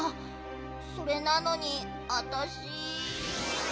それなのにあたし。